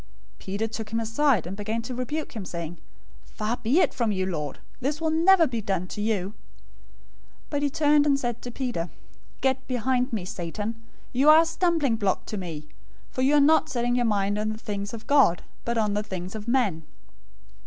016:022 Peter took him aside, and began to rebuke him, saying, "Far be it from you, Lord! This will never be done to you." 016:023 But he turned, and said to Peter, "Get behind me, Satan! You are a stumbling block to me, for you are not setting your mind on the things of God, but on the things of men."